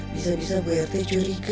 bisa bisa bu yartek curiga